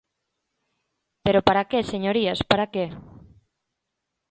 Pero ¿para que, señorías, para que?